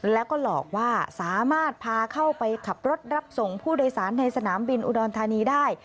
แล้วก็หลอกว่าสามารถพาเข้าไปขับรถรับส่งผู้โดยสารในสนามบินอุดรธานีได้